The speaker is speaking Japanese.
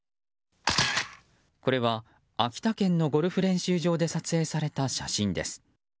これは、秋田県のゴルフ練習場で撮影された写真です。